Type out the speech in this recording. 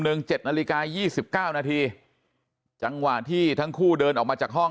หนึ่งเจ็ดนาฬิกายี่สิบเก้านาทีจังหวะที่ทั้งคู่เดินออกมาจากห้อง